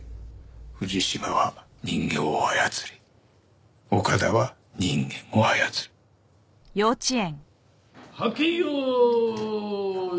藤島は人形を操り岡田は人間を操る。はっけよーい。